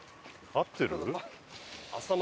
合ってる？